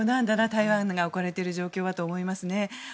台湾が置かれている状況はと思いますね。